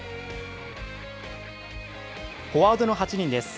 フォワードの８人です。